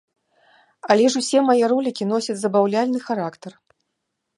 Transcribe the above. Але ж усе мае ролікі носяць забаўляльны характар.